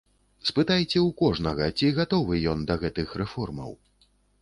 Спытайце ў кожнага, ці гатовы ён да гэтых рэформаў.